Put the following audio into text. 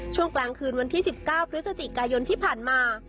ช่วงกลางคืนวันที่๑๙พฤศจิกายนที่ผ่านมา